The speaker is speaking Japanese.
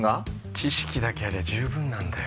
知識だけありゃ十分なんだよ